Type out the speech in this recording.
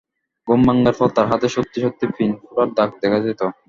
ঘুম ভাঙার পর তার হাতে সত্যি-সত্যি পিন ফোটার দাগ দেখা যেত!